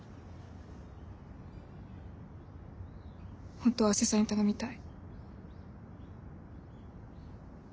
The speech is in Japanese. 本当は阿瀬さんに頼みたい。